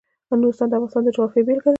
نورستان د افغانستان د جغرافیې بېلګه ده.